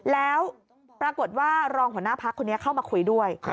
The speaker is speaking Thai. แล้วปรากฏว่ารองหัวหน้าพักคนนี้เข้ามาคุยด้วย